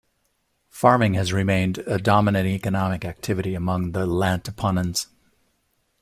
Farming has remained a dominant economic activity among the Lantapanons.